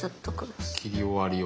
切り終わりを。